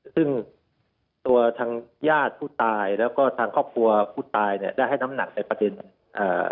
ซึ่งตัวทางญาติผู้ตายแล้วก็ทางครอบครัวผู้ตายเนี่ยได้ให้น้ำหนักในประเด็นอ่า